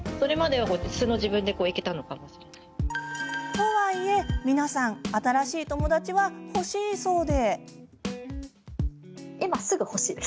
とはいえ皆さん新しい友達は欲しいそうで。